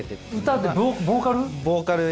歌ってボーカル？